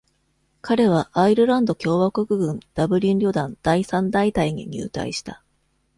彼はアイルランド共和国軍ダブリン旅団第三大隊に入隊した。